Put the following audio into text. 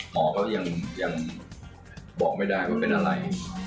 หมอก็ยังบอกไม่ได้ว่าเป็นอะไร